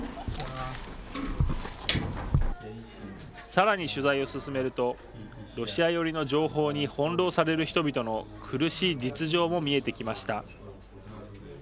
さらに取材を進めるとロシア寄りの情報に翻弄される人々の苦しい実情も見えてきました。